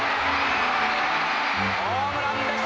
ホームランです